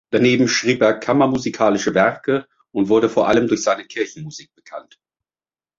Daneben schrieb er kammermusikalische Werke und wurde vor allem durch seine Kirchenmusik bekannt.